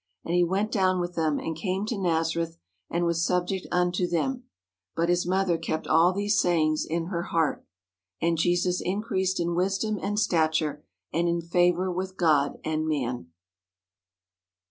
And he went down with them and came to Nazareth, and was subject unto them. But his mother kept all these sayings in her heart. And Jesus increased in wisdom and stature and in favour with God and man.